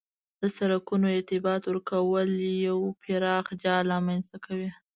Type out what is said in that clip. د سرکونو ارتباط ورکول یو پراخ جال رامنځ ته کوي